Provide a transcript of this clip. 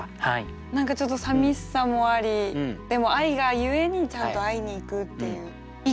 何かちょっとさみしさもありでも愛がゆえにちゃんと会いに行くっていう。